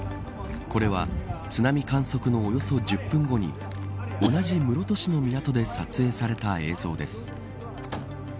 これは津波観測のおよそ１０分後に同じ室戸市の港で撮影された映像です。